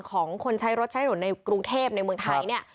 ของคนใช้รถใช้รถในกรุงเทพฯในเมืองไทย